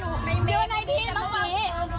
หนูยืนยันได้เลยเพราะหนูไม่ไปกดมา